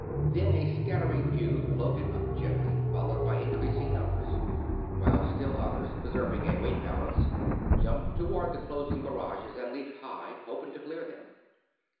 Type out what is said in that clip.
Then a scattering few floated up gently, followed by increasing numbers, while still others, preserving a weight balance, jumped toward the closing barrages and leaped high, hoping to clear them.